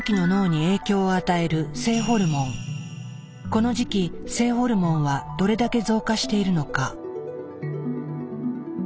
この時期性ホルモンはどれだけ増加しているのか。